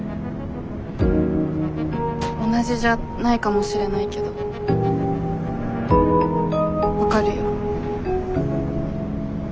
同じじゃないかもしれないけど分かるよ。